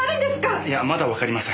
いやまだわかりません。